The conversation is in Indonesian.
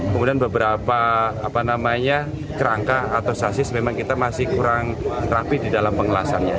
kemudian beberapa kerangka atau sasis memang kita masih kurang rapi di dalam pengelasannya